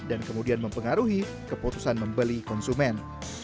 dan kemudian mempengaruhi keputusan membeli konsumen